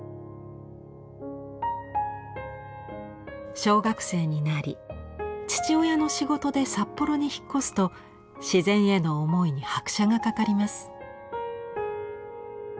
小学生になり父親の仕事で札幌に引っ越すと自然への思いに拍車がかかります。